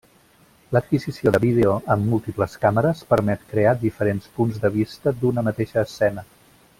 L'adquisició de vídeo amb múltiples càmeres permet crear diferents punts de vista d’una mateixa escena.